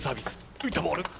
浮いたボール。